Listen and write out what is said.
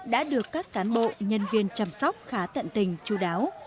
đã được các cán bộ nhân viên chăm sóc khá tận tình chú đáo